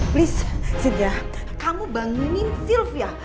please jeda kamu bangunin sylvia